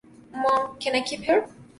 Mom, Can I Keep Her?